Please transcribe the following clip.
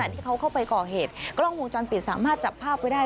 ที่เขาเข้าไปก่อเหตุกล้องวงจรปิดสามารถจับภาพไว้ได้